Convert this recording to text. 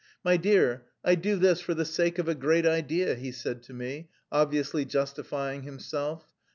"My dear, I do this for the sake of a great idea," he said to me, obviously justifying himself.